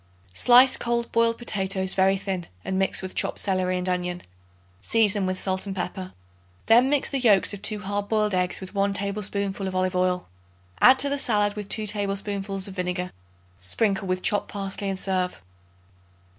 Slice cold boiled potatoes very thin and mix with chopped celery and onion; season with salt and pepper. Then mix the yolks of 2 hard boiled eggs with 1 tablespoonful of olive oil. Add to the salad with 2 tablespoonfuls of vinegar. Sprinkle with chopped parsley and serve.